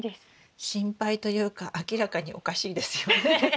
心配というか明らかにおかしいですよね。